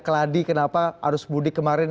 keladi kenapa arus mudik kemarin